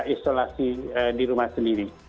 isolasi di rumah sendiri